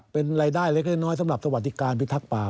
เป็นรายได้เล็กน้อยสำหรับสวัสดิการพิทักษ์ป่า